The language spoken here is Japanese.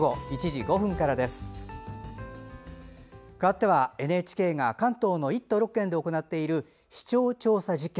かわっては、ＮＨＫが関東の１都６県で行っている視聴調査実験。